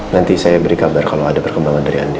nanti saya beri kabar kalau ada perkembangan dari anda